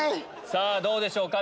さぁどうでしょうか？